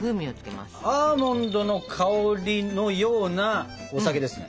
アーモンドの香りのようなお酒ですね？